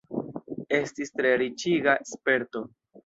Estis tre riĉiga sperto!